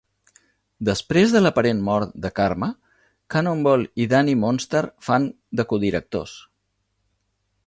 Després de l'aparent mort de Karma, Cannonball i Dani Moonstar fan de codirectors.